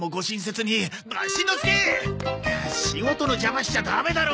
仕事の邪魔しちゃダメだろ！